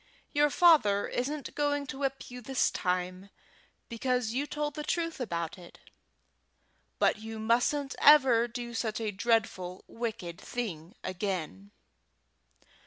Your father isn't going to whip you this time, because you told the truth about it, but you mustn't ever do such a dreadful wicked thing again."